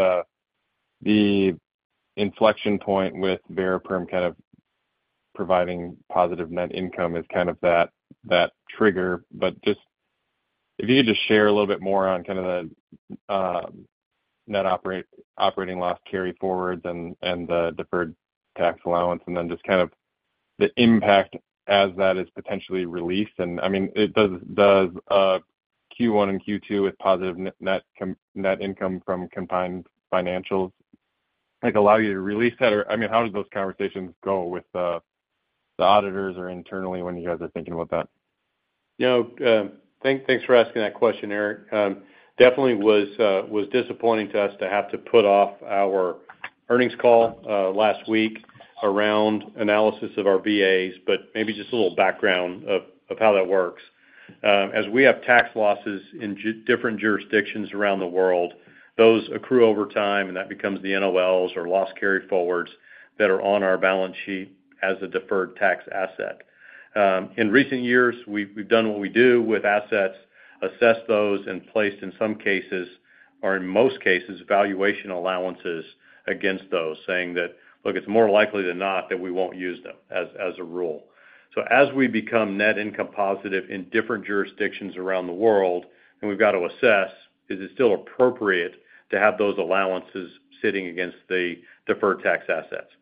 the inflection point with Variperm kind of providing positive net income is kind of that trigger. But if you could just share a little bit more on kind of the net operating loss carryforwards and the deferred tax assets, and then just kind of the impact as that is potentially released. And I mean, does Q1 and Q2 with positive net income from combined financials allow you to release that? Or I mean, how did those conversations go with the auditors or internally when you guys are thinking about that? No, thanks for asking that question, Eric. Definitely was disappointing to us to have to put off our earnings call last week around analysis of our VAs. But maybe just a little background of how that works. As we have tax losses in different jurisdictions around the world, those accrue over time, and that becomes the NOLs or loss carry forwards that are on our balance sheet as a deferred tax asset. In recent years, we've done what we do with assets, assessed those, and placed, in some cases, or in most cases, valuation allowances against those, saying that, "Look, it's more likely than not that we won't use them as a rule." So as we become net income positive in different jurisdictions around the world, and we've got to assess, is it still appropriate to have those allowances sitting against the deferred tax assets?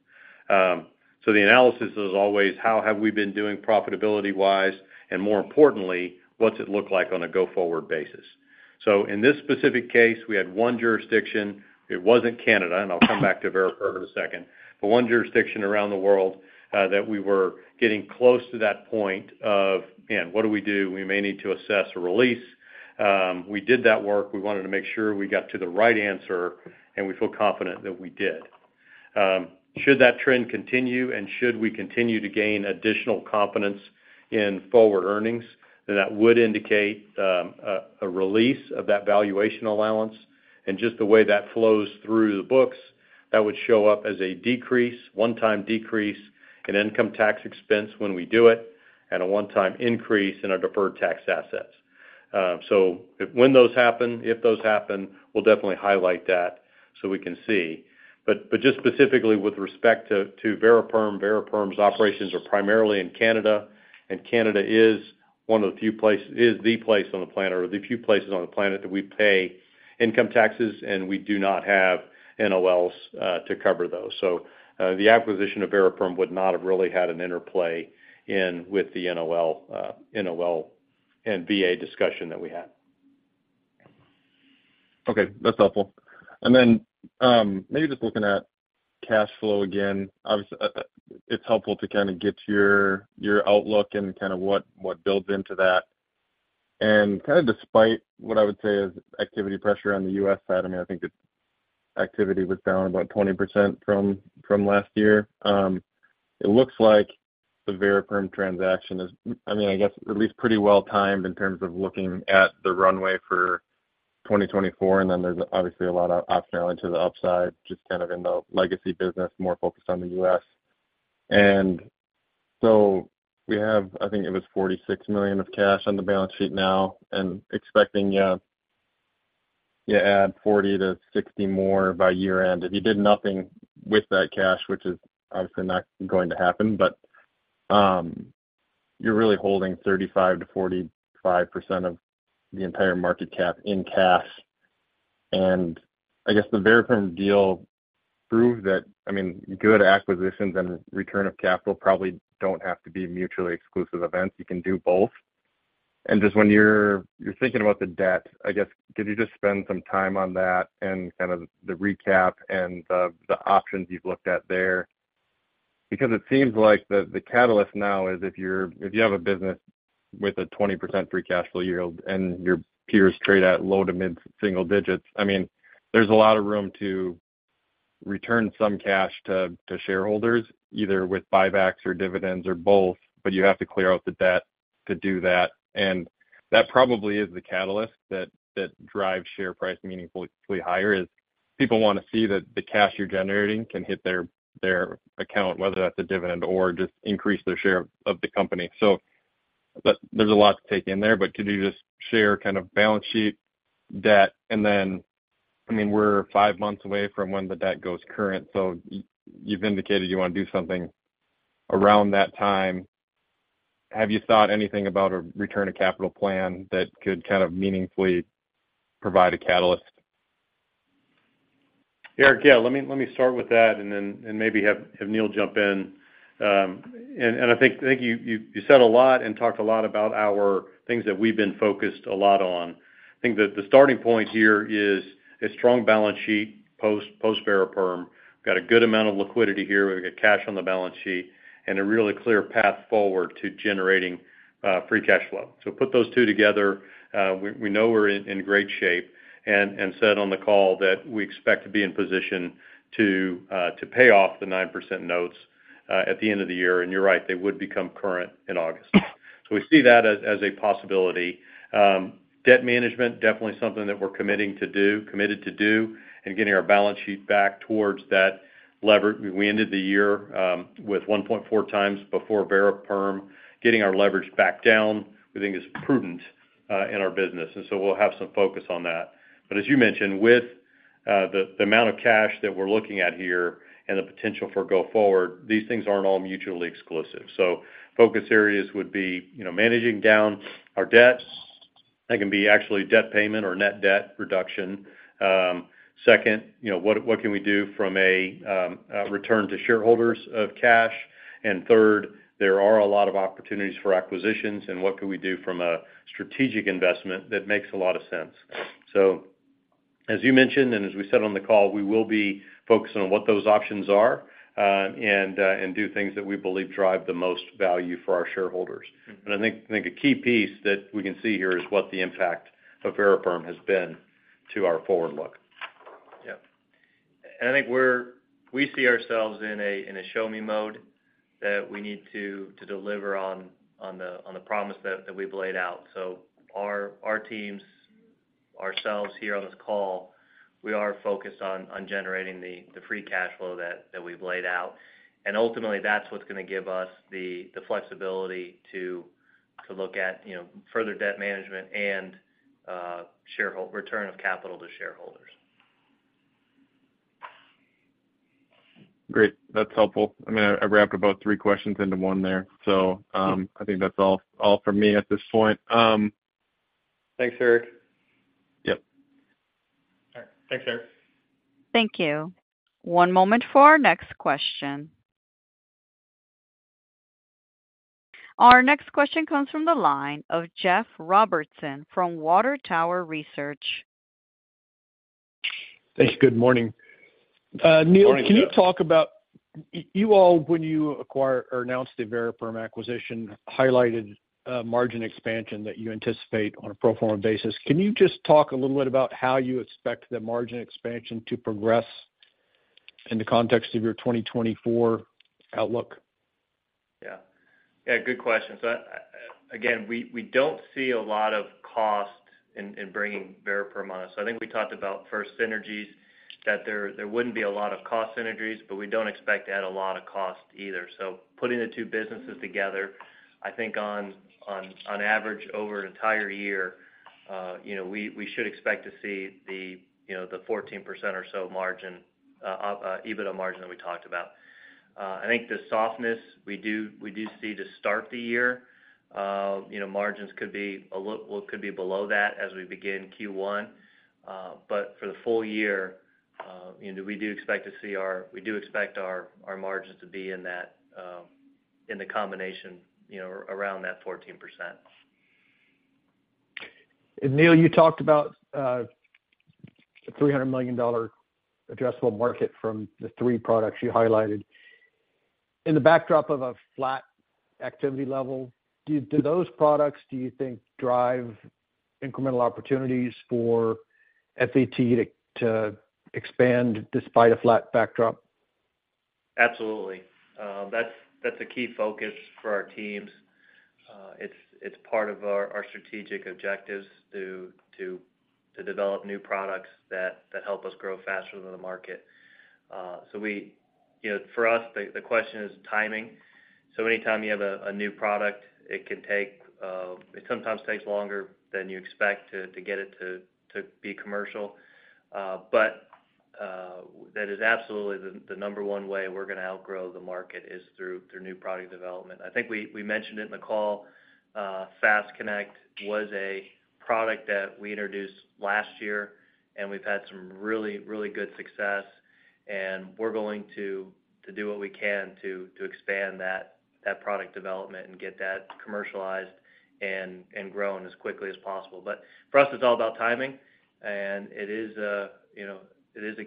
So the analysis is always, how have we been doing profitability-wise? And more importantly, what's it look like on a go-forward basis? So in this specific case, we had one jurisdiction. It wasn't Canada, and I'll come back to Variperm in a second, but one jurisdiction around the world that we were getting close to that point of, "Man, what do we do? We may need to assess a release." We did that work. We wanted to make sure we got to the right answer, and we feel confident that we did. Should that trend continue, and should we continue to gain additional confidence in forward earnings, then that would indicate a release of that valuation allowance. And just the way that flows through the books, that would show up as a one-time decrease in income tax expense when we do it and a one-time increase in our deferred tax assets. So when those happen, if those happen, we'll definitely highlight that so we can see. But just specifically with respect to Variperm, Variperm's operations are primarily in Canada, and Canada is one of the few places on the planet or the few places on the planet that we pay income taxes, and we do not have NOLs to cover those. So the acquisition of Variperm would not have really had an interplay in with the NOL and VA discussion that we had. Okay. That's helpful. And then maybe just looking at cash flow again, obviously, it's helpful to kind of get your outlook and kind of what builds into that. And kind of despite what I would say is activity pressure on the U.S. side, I mean, I think that activity was down about 20% from last year. It looks like the Variperm transaction is, I mean, I guess, at least pretty well-timed in terms of looking at the runway for 2024. And then there's obviously a lot of optionality to the upside, just kind of in the legacy business, more focused on the U.S. And so we have, I think it was $46 million of cash on the balance sheet now, and expecting to add $40 million-$60 million more by year-end. If you did nothing with that cash, which is obviously not going to happen, but you're really holding 35%-45% of the entire market cap in cash. I guess the Variperm deal proved that, I mean, good acquisitions and return of capital probably don't have to be mutually exclusive events. You can do both. Just when you're thinking about the debt, I guess, could you just spend some time on that and kind of the recap and the options you've looked at there? Because it seems like the catalyst now is if you have a business with a 20% free cash flow yield and your peers trade at low to mid-single digits, I mean, there's a lot of room to return some cash to shareholders, either with buybacks or dividends or both, but you have to clear out the debt to do that. And that probably is the catalyst that drives share price meaningfully higher, is people want to see that the cash you're generating can hit their account, whether that's a dividend or just increase their share of the company. So there's a lot to take in there. But could you just share kind of balance sheet, debt? And then, I mean, we're five months away from when the debt goes current. So you've indicated you want to do something around that time. Have you thought anything about a return to capital plan that could kind of meaningfully provide a catalyst? Eric, yeah. Let me start with that, and then maybe have Neal jump in. And I think you said a lot and talked a lot about things that we've been focused a lot on. I think the starting point here is a strong balance sheet post-Variperm. We've got a good amount of liquidity here. We've got cash on the balance sheet and a really clear path forward to generating free cash flow. So put those two together. We know we're in great shape and said on the call that we expect to be in position to pay off the 9% notes at the end of the year. And you're right. They would become current in August. So we see that as a possibility. Debt management, definitely something that we're committing to do, committed to do, and getting our balance sheet back towards that leverage. We ended the year with 1.4 times before Variperm. Getting our leverage back down, we think, is prudent in our business. So we'll have some focus on that. But as you mentioned, with the amount of cash that we're looking at here and the potential for go-forward, these things aren't all mutually exclusive. So focus areas would be managing down our debt. That can be actually debt payment or net debt reduction. Second, what can we do from a return to shareholders of cash? And third, there are a lot of opportunities for acquisitions. And what can we do from a strategic investment that makes a lot of sense? So as you mentioned, and as we said on the call, we will be focusing on what those options are and do things that we believe drive the most value for our shareholders. I think a key piece that we can see here is what the impact of Variperm has been to our forward look. Yeah. I think we see ourselves in a show-me mode that we need to deliver on the promise that we've laid out. Our teams, ourselves here on this call, we are focused on generating the free cash flow that we've laid out. Ultimately, that's what's going to give us the flexibility to look at further debt management and return of capital to shareholders. Great. That's helpful. I mean, I wrapped about three questions into one there. I think that's all from me at this point. Thanks, Eric. Yep. All right. Thanks, Eric. Thank you. One moment for our next question. Our next question comes from the line of Jeff Robertson from Water Tower Research. Thanks. Good morning. Neal, can you talk about you all, when you announced the Variperm acquisition, highlighted margin expansion that you anticipate on a pro forma basis. Can you just talk a little bit about how you expect the margin expansion to progress in the context of your 2024 outlook? Yeah. Yeah. Good question. So again, we don't see a lot of cost in bringing Variperm on us. So I think we talked about first synergies, that there wouldn't be a lot of cost synergies, but we don't expect to add a lot of cost either. So putting the two businesses together, I think on average, over an entire year, we should expect to see the 14% or so margin, EBITDA margin that we talked about. I think the softness we do see to start the year, margins could be a little below that as we begin Q1. But for the full year, we do expect our margins to be in the combination around that 14%. And Neal, you talked about a $300 million addressable market from the three products you highlighted. In the backdrop of a flat activity level, do those products, do you think, drive incremental opportunities for FET to expand despite a flat backdrop? Absolutely. That's a key focus for our teams. It's part of our strategic objectives to develop new products that help us grow faster than the market. So for us, the question is timing. So anytime you have a new product, it can take. Sometimes it takes longer than you expect to get it to be commercial. But that is absolutely the number one way we're going to outgrow the market is through new product development. I think we mentioned it in the call. FastConnect was a product that we introduced last year, and we've had some really, really good success. And we're going to do what we can to expand that product development and get that commercialized and grown as quickly as possible. But for us, it's all about timing, and it is a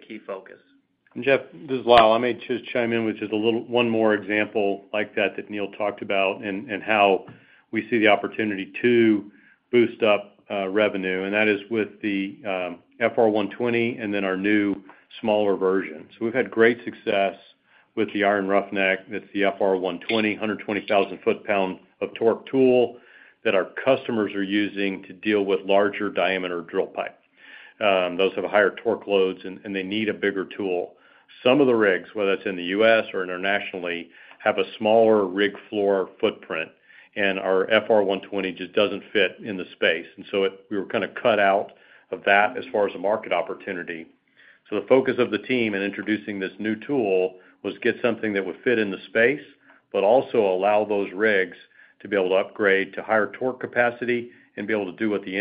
key focus. And Jeff, this is Lyle. I may just chime in with just one more example like that that Neal talked about and how we see the opportunity to boost up revenue. And that is with the FR-120 and then our new smaller version. So we've had great success with the Iron Roughneck. It's the FR-120, 120,000-foot-pound of torque tool that our customers are using to deal with larger diameter drill pipes. Those have higher torque loads, and they need a bigger tool. Some of the rigs, whether it's in the U.S. or internationally, have a smaller rig floor footprint, and our FR-120 just doesn't fit in the space. And so we were kind of cut out of that as far as a market opportunity. So the focus of the team in introducing this new tool was get something that would fit in the space but also allow those rigs to be able to upgrade to higher torque capacity and be able to do what the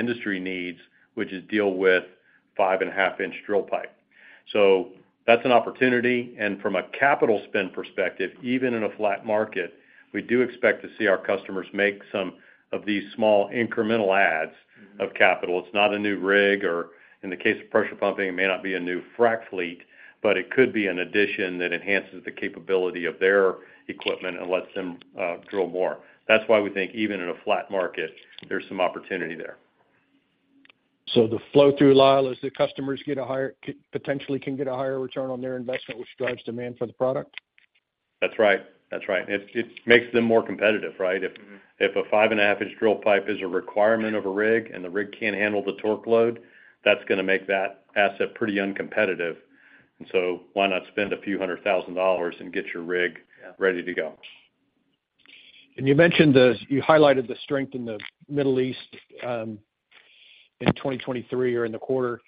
industry needs, which is deal with 5.5-inch drill pipes. So that's an opportunity. And from a capital spend perspective, even in a flat market, we do expect to see our customers make some of these small incremental adds of capital. It's not a new rig or, in the case of pressure pumping, it may not be a new frac fleet, but it could be an addition that enhances the capability of their equipment and lets them drill more. That's why we think even in a flat market, there's some opportunity there. So the flow-through, Lyle, is that customers potentially can get a higher return on their investment, which drives demand for the product? That's right. That's right. And it makes them more competitive, right? If a 5.5-inch drill pipe is a requirement of a rig and the rig can't handle the torque load, that's going to make that asset pretty uncompetitive. And so why not spend $ a few hundred thousand and get your rig ready to go. You mentioned you highlighted the strength in the Middle East in 2023 or in the quarter.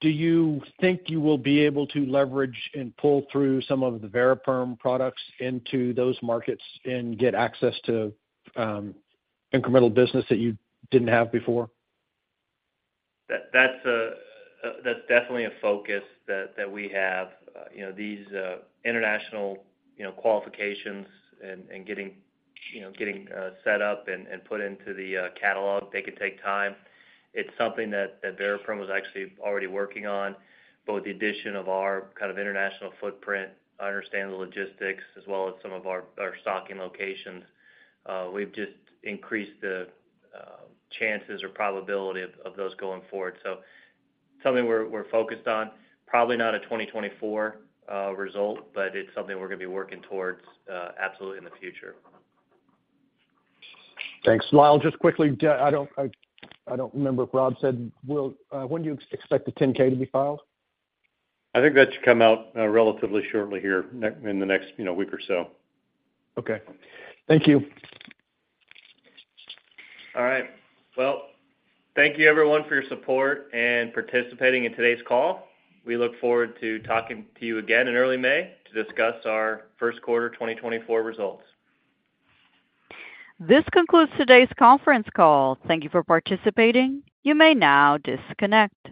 Do you think you will be able to leverage and pull through some of the Variperm products into those markets and get access to incremental business that you didn't have before? That's definitely a focus that we have. These international qualifications and getting set up and put into the catalog, they could take time. It's something that Variperm was actually already working on, but with the addition of our kind of international footprint, I understand the logistics as well as some of our stocking locations. We've just increased the chances or probability of those going forward. So it's something we're focused on, probably not a 2024 result, but it's something we're going to be working towards absolutely in the future. Thanks. Lyle, just quickly, I don't remember if Rob said, "When do you expect the 10K to be filed? I think that should come out relatively shortly here in the next week or so. Okay. Thank you. All right. Well, thank you, everyone, for your support and participating in today's call. We look forward to talking to you again in early May to discuss our first quarter 2024 results. This concludes today's conference call. Thank you for participating. You may now disconnect.